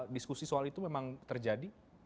diskusi soal itu memang terjadi